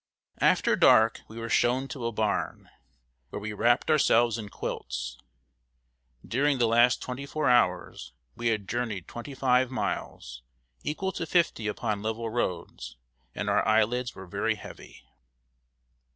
After dark we were shown to a barn, where we wrapped ourselves in quilts. During the last twenty four hours we had journeyed twenty five miles, equal to fifty upon level roads, and our eye lids were very heavy.